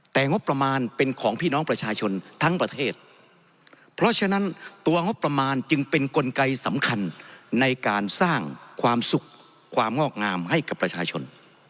แต่งบประมาณเป็นของพี่น้องประชาชนทั้งประเทศเพราะฉะนั้นตัวงบประมาณจึงเป็นกลไกสำคัญในการสร้างความสุขความงอกงามให้กับประชาชน